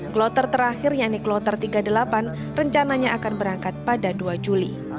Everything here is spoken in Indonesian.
kloter terakhir yakni kloter tiga puluh delapan rencananya akan berangkat pada dua juli